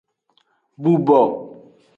Bubo.